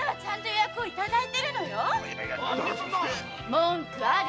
文句ある？